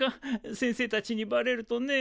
先生たちにバレるとねえ